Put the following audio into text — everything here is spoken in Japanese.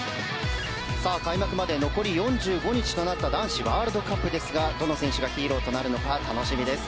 開幕まで残り４５日となった男子ワールドカップですがどの選手がヒーローとなるのか楽しみです。